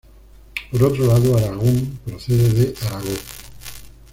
Por otro lado "Aragón" procede de "Aragó".